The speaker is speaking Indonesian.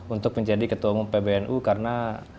untuk menjadi ketua umum pbnu karena